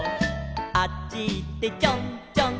「あっちいってちょんちょん」